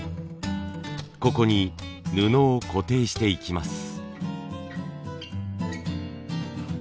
ここに布を固定していきます。